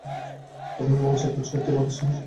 প্রাথমিকভাবে কচ্ছ একটি প্রদেশ হিসাবে কাজ করত।